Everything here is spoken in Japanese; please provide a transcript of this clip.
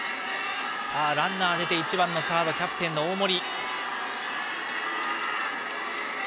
ランナーが出て１番サード、キャプテンの大森。